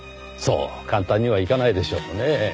そう簡単にはいかないでしょうねぇ。